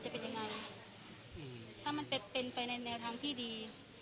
ถ้ามันเป็นไปในแนวทางที่ดี